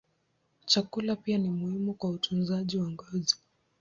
Chakula pia ni muhimu kwa utunzaji wa ngozi.